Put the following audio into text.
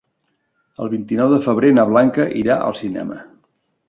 El vint-i-nou de febrer na Blanca irà al cinema.